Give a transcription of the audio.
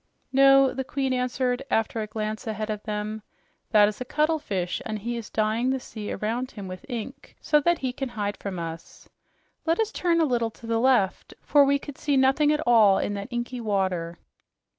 "No," the Queen answered after a glance ahead of them, "that is a cuttlefish, and he is dyeing the sea around him with ink so that he can hide from us. Let us turn a little to the left, for we could see nothing at all in that inky water."